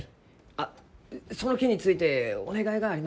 あっその件についてお願いがあります